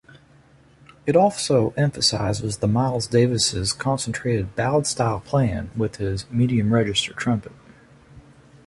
It also emphasizes the Miles Davis' concentrated ballad-style playing with his medium-register trumpet.